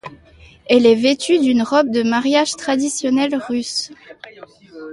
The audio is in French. Elle est vêtue d'une robe de mariage traditionnelle russe.